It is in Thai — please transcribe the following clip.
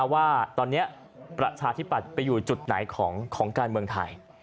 ว่าตอนนี้ประชาธิปัตย์ไปอยู่จุดไหนของการเมืองไทย